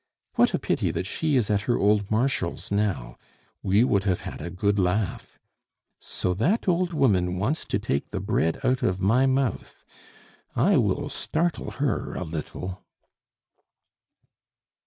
What a pity that she is at her old Marshal's now! We would have had a good laugh! So that old woman wants to take the bread out of my mouth. I will startle her a little!"